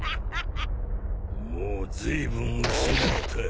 もうずいぶん失った。